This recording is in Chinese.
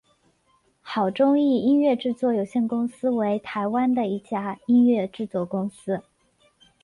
好钟意音乐制作有限公司为台湾的一家音乐制作公司。